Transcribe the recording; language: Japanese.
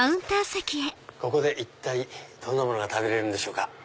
ここで一体どんなものが食べれるんでしょうか？